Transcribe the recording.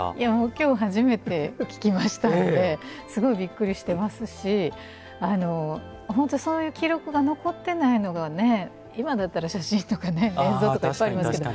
今日初めて聞きましたのですごいびっくりしてますし本当、そういう記録が残ってないのが今だったら写真とか映像とかいっぱいありますけど。